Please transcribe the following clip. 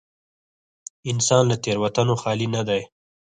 انسان له تېروتنې خالي نه دی.